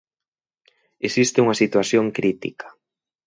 Existe unha situación crítica.